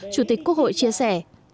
chủ tịch quốc hội chia sẻ